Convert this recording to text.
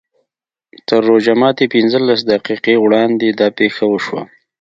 تر روژه ماتي پینځلس دقیقې وړاندې دا پېښه وشوه.